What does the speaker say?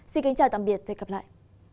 xin kính chào tạm biệt và hẹn gặp lại